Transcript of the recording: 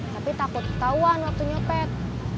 tapi takut ketahuan waktu nyopet